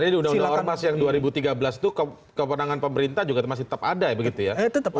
di undang undang ormas yang dua ribu tiga belas itu kewenangan pemerintah juga masih tetap ada ya begitu ya